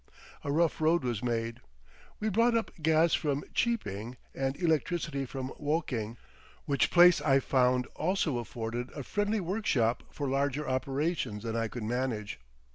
A rough road was made. We brought up gas from Cheaping and electricity from Woking, which place I found also afforded a friendly workshop for larger operations than I could manage.